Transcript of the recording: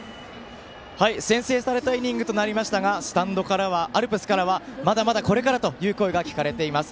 先制されたイニングとなりましたが三塁アルプスからはまだまだこれからという声が聞こえています。